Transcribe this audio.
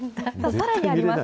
さらにあります。